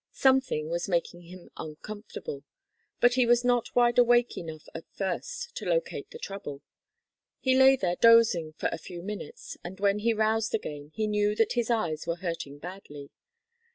Something was making him uncomfortable, but he was not wide enough awake at first to locate the trouble. He lay there dozing for a few minutes and when he roused again he knew that his eyes were hurting badly.